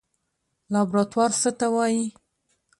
لابراتوار څه ته وایي؟